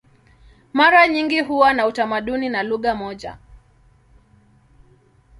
Mara nyingi huwa na utamaduni na lugha moja.